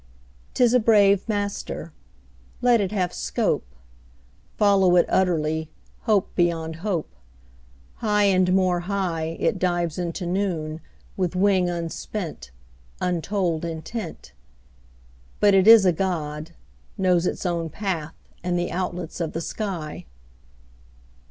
'Tis a brave master; Let it have scope: Follow it utterly, Hope beyond hope: High and more high It dives into noon, With wing unspent, Untold intent; But it is a God, Knows its own path And the outlets of the sky.